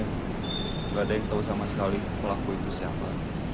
tidak ada yang tahu sama sekali pelaku itu siapa